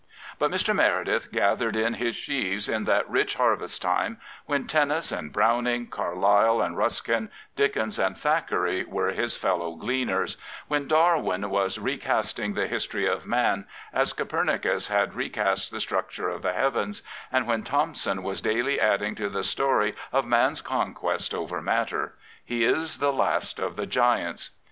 But Mr. Meredith gathered in his sheaves in that rich harvest time when Tennyson and Browning, Carlyle and Ruskin, Dickens and Thackeray were his fellow gleaners; when Darwin was recasting the his tory of man, as Copernicus had recast the structure of the heavens; and when Thomson was daily adding to the story of man's conquest over matter. He is the last of the giants.